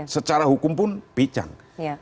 secara hukum pun pinjang